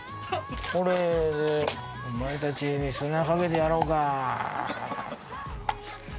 これで「お前たち砂かけてやろうか！」。